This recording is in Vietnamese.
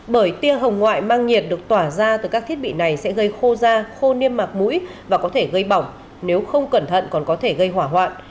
bởi tia hồng ngoại mang nhiệt được tỏa ra từ các thiết bị này sẽ gây khô da khô niêm mạc mũi và có thể gây bỏng nếu không cẩn thận còn có thể gây hỏa hoạn